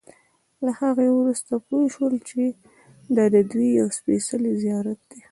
له هغې وروسته پوی شول چې دا ددوی یو سپېڅلی زیارت دی.